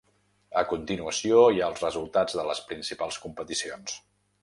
A continuació hi ha els resultats de les principals competicions.